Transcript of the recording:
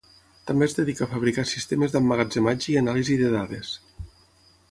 També es dedica a fabricar sistemes d’emmagatzematge i anàlisi de dades.